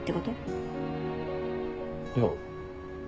いや。